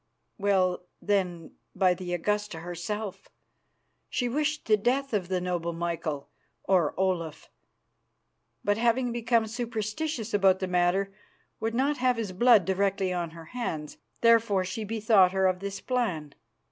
"Well, then, by the Augusta herself. She wished the death of the noble Michael, or Olaf, but having become superstitious about the matter, would not have his blood directly on her hands. Therefore she bethought her of this plan.